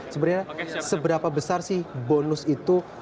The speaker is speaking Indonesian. sebenarnya seberapa besar sih bonus itu